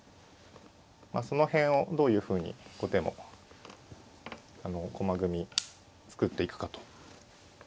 その辺をどういうふうに後手も駒組み作っていくかと。